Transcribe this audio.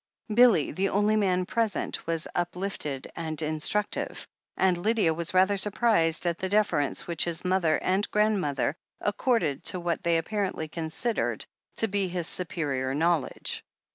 Billy, the only man present, was uplifted and instruc tive, and Lydia was rather* surprised at the deference which his mother and grandmother accorded to what they apparently considered to be his superior knowl edge.